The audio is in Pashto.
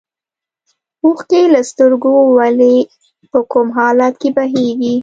اوښکې له سترګو ولې او په کوم حالت کې بهیږي.